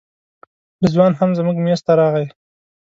رضوان هم زموږ میز ته راغی.